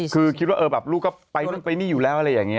คือคิดว่าลูกก็ไปนี่อยู่แล้วอะไรอย่างนี้